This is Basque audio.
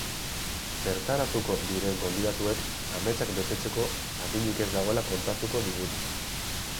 Bertaratuko diren gonbidatuek ametsak betetzeko adinik ez dagoela kontatuko digute.